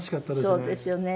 そうですよね。